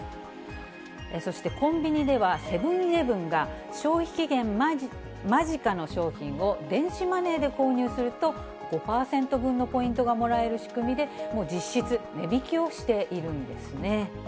そしてコンビニでは、セブンーイレブンが消費期限間近の商品を電子マネーで購入すると、５％分のポイントがもらえる仕組みで、もう実質、値引きをしているんですね。